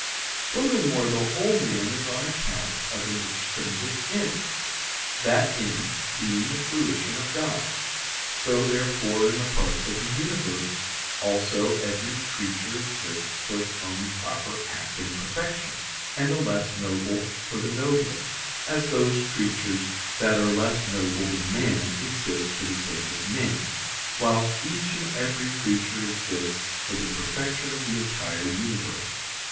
Furthermore, the whole man is on account of an extrinsic end, that end being the fruition of God. So, therefore, in the parts of the universe also every creature exists for its own proper act and perfection, and the less noble for the nobler, as those creatures that are less noble than man exist for the sake of man, whilst each and every creature exists for the perfection of the entire universe.